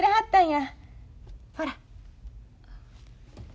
ほら。